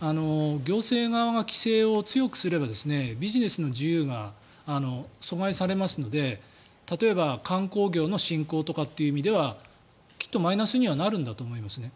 行政側が規制を強くすればビジネスの自由が阻害されますので例えば、観光業の振興とかっていう意味ではきっとマイナスにはなるんだと思いますね。